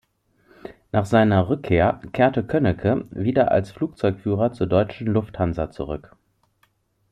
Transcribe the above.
Nach seiner Rückkehr kehrte Könnecke wieder als Flugzeugführer zur Deutschen Luft Hansa zurück.